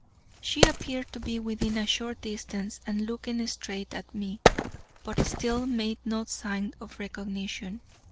She appeared to be within a short distance and looking straight at me, but still made no sign of recognition.